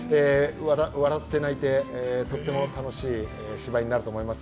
笑って泣いて、とても楽しい芝居になると思います。